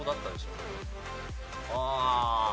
ああ。